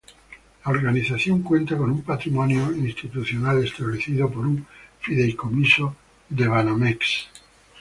La organización cuenta con un patrimonio institucional establecido por un fideicomiso de Banamex.